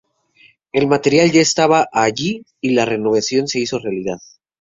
El material ya estaba allí, y la renovación se hizo realidad.